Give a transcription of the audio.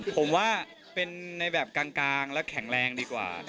ผมว่าเป็นในแบบกลางและแข็งแรงดีกว่า